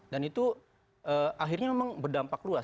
dan itu akhirnya memang berdampak luas